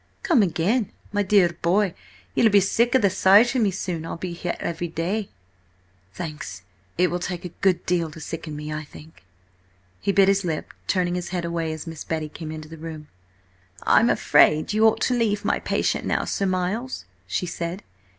"Come again! My dear boy, ye'll be sick of the sight of me soon! I shall be here every day." "Thanks! It will take a good deal to sicken me, I think." He bit his lip, turning his head away as Miss Betty came into the room. "I'm afraid that you ought to leave my patient now, Sir Miles," she said.